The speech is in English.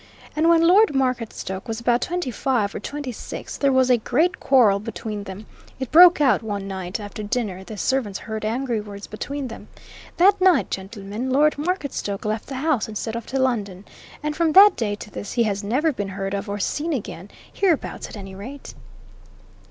And when Lord Marketstoke was about twenty five or twenty six there was a great quarrel between them; it broke out one night, after dinner; the servants heard angry words between them. That night, gentlemen, Lord Marketstoke left the house and set off to London, and from that day to this he has never been heard of or seen again hereabouts, at any rate."